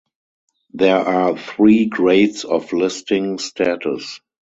There are three grades of listing status.